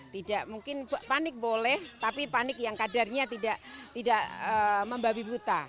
tidak mungkin panik boleh tapi panik yang kadarnya tidak membabi buta